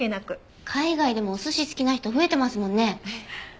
海外でもお寿司好きな人増えてますもんね。